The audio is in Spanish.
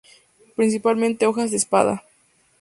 Principalmente hojas de espada.